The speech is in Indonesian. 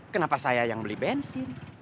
kenapa saya yang beli bensin